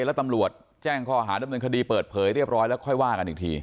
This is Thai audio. แล้วตำรวจแจ้งข้อหาดำเนินคดีเปิดเผยเรียบร้อยแล้วค่อยว่ากันอีกที